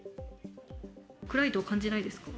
暗いと感じないですか？